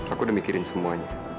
aku udah mikirin semuanya